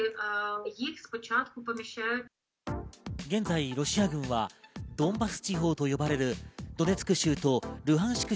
現在ロシア軍は、ドンバス地方と呼ばれるドネツク州とルハンシク